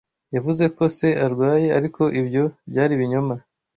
Yavuze ko se arwaye, ariko ibyo byari ibinyoma.